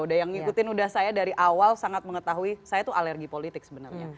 udah yang ngikutin udah saya dari awal sangat mengetahui saya tuh alergi politik sebenarnya